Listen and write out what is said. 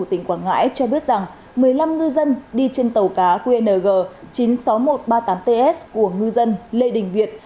tỉnh quảng ngãi cho biết rằng một mươi năm ngư dân đi trên tàu cá qng chín mươi sáu nghìn một trăm ba mươi tám ts của ngư dân lê đình việt